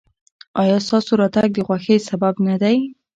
ایا ستاسو راتګ د خوښۍ سبب نه دی؟